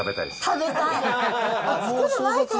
食べたい。